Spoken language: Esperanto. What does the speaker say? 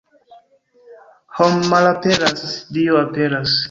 Hom' malesperas, Dio aperas.